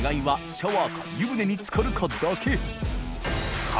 シャワーか湯船に浸かるかだけ祺